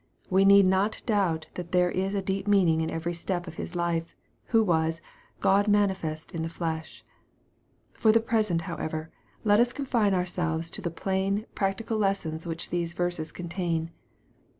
We need not doubt that there is a deep mean ing in every step of His life, who was " God manifest in the flesh." For the present, however, let us confine our pelves to the plain, practical lessons which these verscp contain.